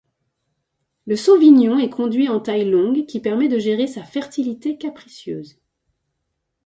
Le sauvignon est conduit en taille longue qui permet de gérer sa fertilité capricieuse.